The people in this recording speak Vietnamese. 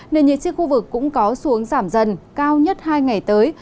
nền nhiệt trên khu vực cũng có xuống giảm dần cao nhất hai ngày tới